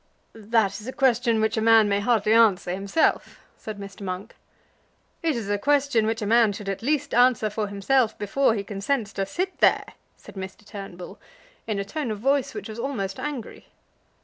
"That is a question which a man may hardly answer himself," said Mr. Monk. "It is a question which a man should at least answer for himself before he consents to sit there," said Mr. Turnbull, in a tone of voice which was almost angry.